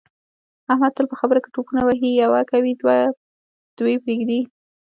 احمد تل په خبروکې ټوپونه وهي یوه کوي دوې پرېږدي.